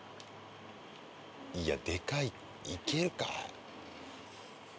いやでかいいけるか？